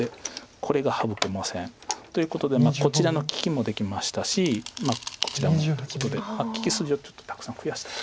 これが省けませんということでこちらの利きもできましたしこちらもっていうことで利き筋をちょっとたくさん増やしたと。